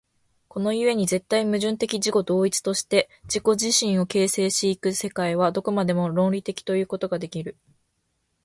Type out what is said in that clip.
この故に絶対矛盾的自己同一として自己自身を形成し行く世界は、どこまでも論理的ということができる。